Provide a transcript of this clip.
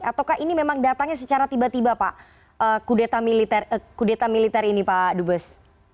ataukah ini memang datangnya secara tiba tiba pak kudeta militer ini pak dubes